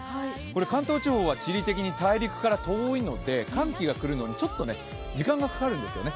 関東地方は地理的に大陸から遠いので、寒気が来るのにちょっと時間がかかるんですよね。